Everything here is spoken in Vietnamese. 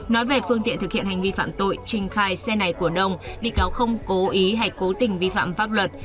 nói về phương tiện thực hiện hành vi phạm tội trình khai xe này của đông bị cáo không cố ý hay cố tình vi phạm pháp luật